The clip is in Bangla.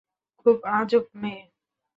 খুব আজব মেয়ে।